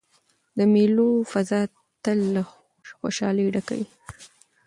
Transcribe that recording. د مېلو فضا تل له خوشحالۍ ډکه يي.